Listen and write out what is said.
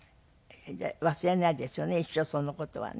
忘れないですよね一生その事はね。